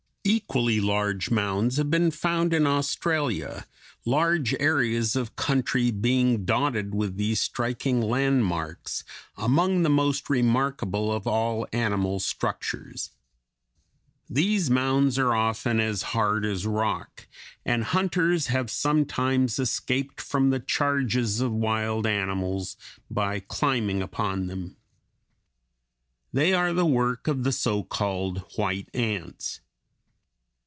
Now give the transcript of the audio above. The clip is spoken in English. Equally large mounds have been found in Australia, large areas of country being dotted with these striking landmarks, among the most remarkable of all animal structures. These mounds are often as hard as rock, and hunters have sometimes escaped from the charges of wild animals by climbing upon them. [Illustration: FIG. 189. Aphis lion, larva and eggs.] They are the work of the so called white ants.